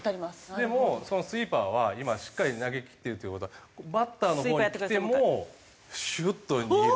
でもスイーパーは今しっかり投げきってるっていう事はバッターのほうに来てもシュッと逃げる。